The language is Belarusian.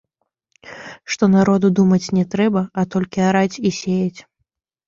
Што народу думаць не трэба, а толькі араць і сеяць.